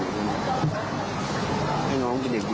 คุณความห่วงของเขาใช่ไหมครับ